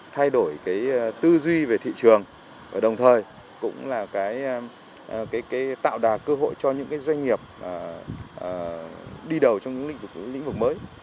thay đổi cái tư duy về thị trường và đồng thời cũng là tạo đà cơ hội cho những doanh nghiệp đi đầu trong những lĩnh vực mới